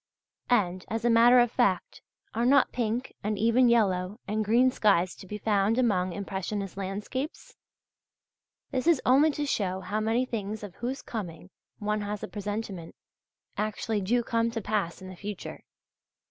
And, as a matter of fact, are not pink and even yellow and green skies to be found among impressionist landscapes? This is only to show how many things of whose coming one has a presentiment, actually do come to pass in the future.